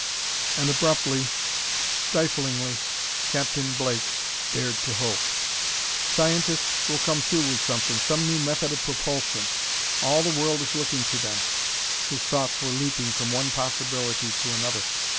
And abruptly, stifflingly, Captain Blake dared to hope. "Scientists will come through with something, some new method of propulsion. All the world is looking to them!" His thoughts were leaping from one possibility to another.